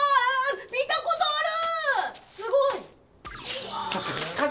見たことある！